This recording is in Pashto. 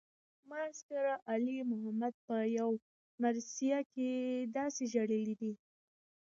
ماسټر علي محمد پۀ يو مرثيه کښې داسې ژړلے دے